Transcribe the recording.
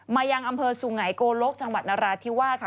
มายังอำเภอสูงไหนโกลกจังหวัดนราธิวาค